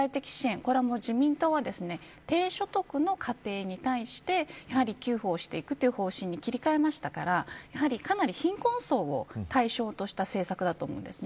これは自民党は低所得の家庭に対して給付をしていくという方針に切り替えましたからかなり貧困層を対象とした政策だと思うんですね。